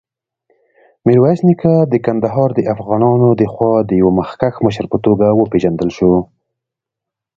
میرویس نیکه د کندهار دافغانانودخوا د یوه مخکښ مشر په توګه وپېژندل شو.